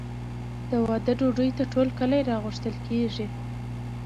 د واده ډوډۍ ته ټول کلی راغوښتل کیږي.